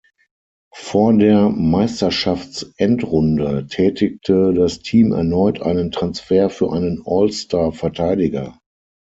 Vor der Meisterschaftsendrunde tätigte das Team erneut einen Transfer für einen All-Star-Verteidiger.